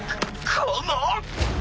この！